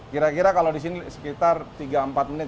kira kira kalau di sini sekitar tiga empat menit